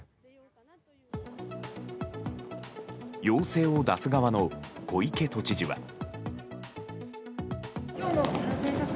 要請を出す側の小池都知事は。